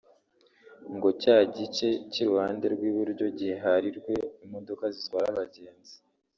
ngo cya gice cy’iruhande rw’iburyo giharirwe imodoka zitwara abagenzi